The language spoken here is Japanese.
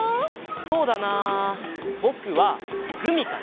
そうだなぼくはグミかな。